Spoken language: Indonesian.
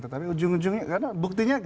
tetapi ujung ujungnya karena buktinya